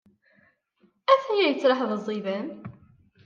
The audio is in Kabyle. Atay-a yettraḥ d aẓidan.